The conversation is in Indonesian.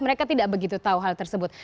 mereka tidak begitu tahu hal tersebut